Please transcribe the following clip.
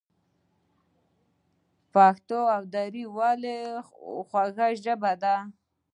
پښتو او دري ولې خوږې ژبې دي؟